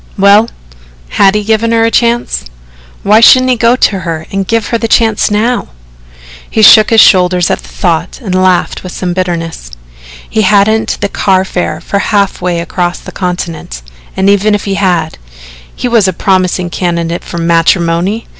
Well, had he given her a chance? Why shouldn't he go to her and give her the chance now? He shook his shoulders at the thought and laughed with some bitterness. He hadn't the car fare for half way across the continent and even if he had, he was a promising candidate for matrimony!